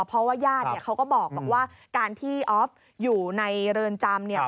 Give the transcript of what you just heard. เพราะว่าญาติเขาก็บอกว่าการที่ออฟอยู่ในเรือนจำเนี่ย